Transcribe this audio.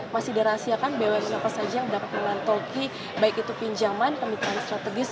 masih dirahasiakan bumn apa saja yang dapat mengantongi baik itu pinjaman kemitraan strategis